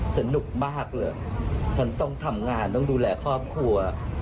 สนุกมากเลยมันต้องทำงานต้องดูแลครอบครัว